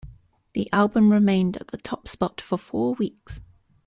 The album remained at the top spot for four weeks.